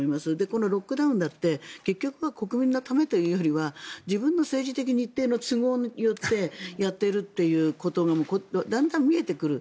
このロックダウンだって結局は国民のためというよりは自分の政治的日程の都合によってやっていることもだんだん見えてくる。